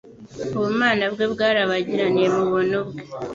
Ubumana bwe bwarabagiraniye mu bumuntu bwe,